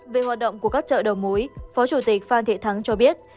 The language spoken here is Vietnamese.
về hoạt động của các chợ đầu mối phó chủ tịch phan thị thắng cho biết